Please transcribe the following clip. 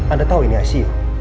anda tau ini icu